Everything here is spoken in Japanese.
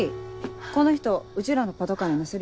この人うちらのパトカーに乗せるよ。